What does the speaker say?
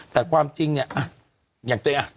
แต่ความจริงเนี่ย